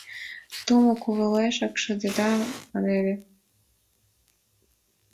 Тумо кувылешат шындеда, маневе.